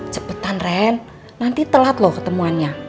cepetan ren nanti telat loh ketemuannya